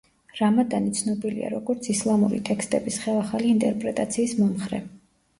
რამადანი ცნობილია, როგორც ისლამური ტექსტების ხელახალი ინტერპრეტაციის მომხრე.